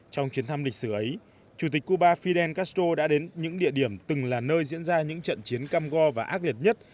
trong chuyến thăm lịch sử ấy chủ tịch cuba fidel castro đã đến những địa điểm từng là nơi diễn ra những trận chiến cam go và ác liệt nhất